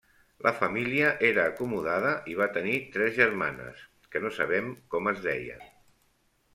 La família era acomodada i va tenir tres germanes, que no sabem com es deien.